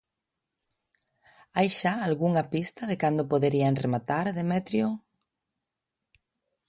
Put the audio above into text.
Hai xa algunha pista de cando poderían rematar, Demetrio?